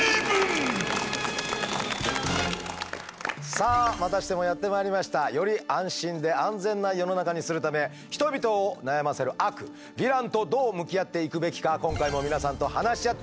さあまたしてもやってまいりましたより安心で安全な世の中にするため人々を悩ませる悪ヴィランとどう向き合っていくべきか今回も皆さんと話し合っていきましょう。